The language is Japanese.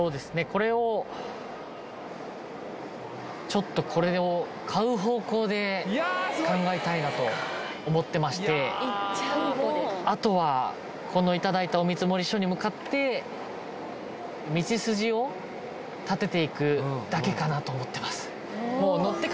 これをちょっとこれをと思ってましてあとはこのいただいたお見積書に向かって道筋を立てていくだけかなと思ってます